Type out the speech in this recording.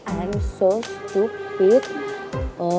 aku benar benar gila